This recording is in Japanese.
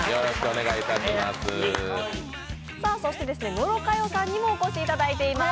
そして野呂佳代さんにもお越しいただいています。